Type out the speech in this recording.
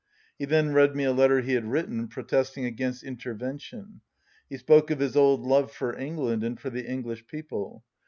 He then read me a letter he had written, pro testing against intervention. He spoke of his old love for England and for the English people.